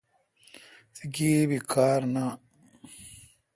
تی گیب کار نان